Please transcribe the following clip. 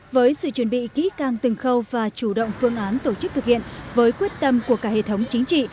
với sự chuẩn bị kỹ càng từng khâu và chủ động phương án tổ chức thực hiện với quyết tâm của cả hệ thống chính trị